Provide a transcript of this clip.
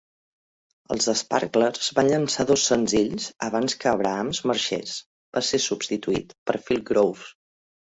Els Sparklers van llançar dos senzills abans que Abrahams marxés; va ser substituït per Phil Grove.